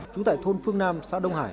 chú tại thôn phương nam xã đông hải